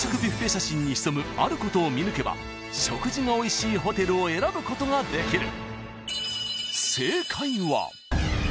写真に潜むあることを見抜けば食事がおいしいホテルを選ぶことができる］